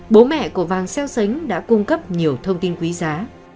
bố mẹ của vàng xeo xánh đã cung cấp nhiều thông tin quý giá